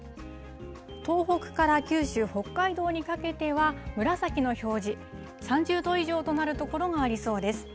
東北から九州、北海道にかけては、紫の表示、３０度以上となる所がありそうです。